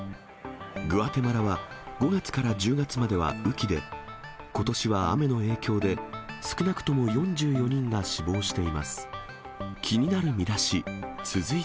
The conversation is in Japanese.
グアテマラは５月から１０月までは雨期で、ことしは雨の影響で、少なくとも４４人が死亡しています。